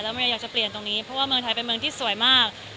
ไม่อยากจะเปลี่ยนตรงนี้เพราะว่าเมืองไทยเป็นเมืองที่สวยมาก